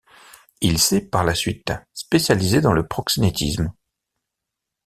Il s'est, par la suite, spécialisé dans le proxénétisme.